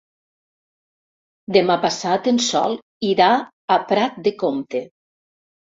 Demà passat en Sol irà a Prat de Comte.